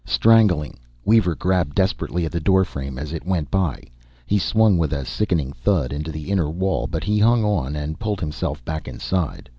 Strangling, Weaver grabbed desperately at the door frame as it went by. He swung with a sickening thud into the inner wall, but he hung on and pulled himself back inside.